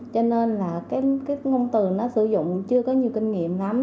cho nên là cái ngôn từ nó sử dụng chưa có nhiều kinh nghiệm lắm